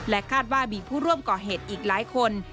คาดว่ามีผู้ร่วมก่อเหตุอีกหลายคน